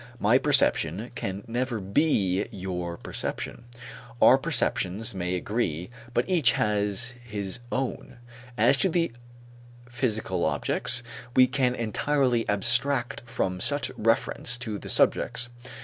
My perception can never be your perception. Our perceptions may agree but each has his own. As to the physical objects, we can entirely abstract from such reference to the subjects.